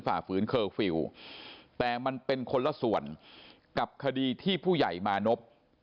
ฝ่าฝืนเคอร์ฟิลล์แต่มันเป็นคนละส่วนกับคดีที่ผู้ใหญ่มานพ